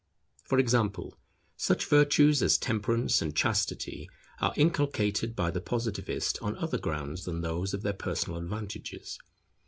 For example, such virtues as temperance and chastity are inculcated by the Positivist on other grounds than those of their personal advantages.